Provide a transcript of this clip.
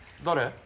誰？